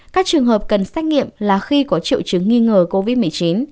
các trường hợp cần xét nghiệm là khi có triệu chứng nghi ngờ covid một mươi chín